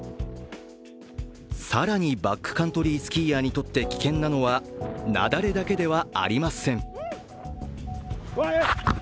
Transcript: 更にバックカントリースキーヤーにとって危険なのは雪崩だけではありません。